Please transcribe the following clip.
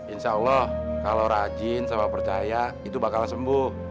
insya allah kalau rajin sama percaya itu bakal sembuh